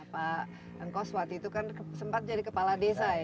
pak angkos waktu itu kan sempat jadi kepala desa ya